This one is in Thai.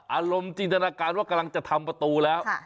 อารมณ์จินตนาการว่ากำลังจะทำประตูแล้ว